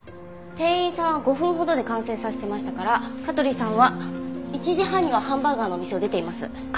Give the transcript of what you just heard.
店員さんは５分ほどで完成させてましたから香取さんは１時半にはハンバーガーのお店を出ています。